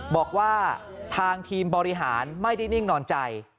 บอกว่าทางทีมบริหารไม่ได้นิ่งนอนใจ